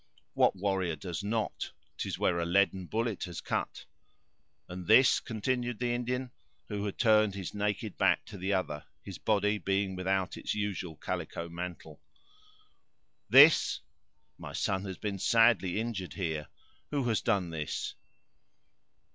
"What warrior does not? 'Tis where a leaden bullet has cut." "And this?" continued the Indian, who had turned his naked back to the other, his body being without its usual calico mantle. "This!—my son has been sadly injured here; who has done this?"